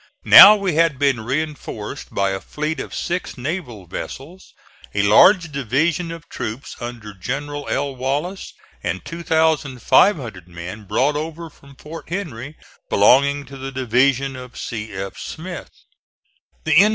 Now we had been reinforced by a fleet of six naval vessels, a large division of troops under General L. Wallace and 2,500 men brought over from Fort Henry belonging to the division of C. F.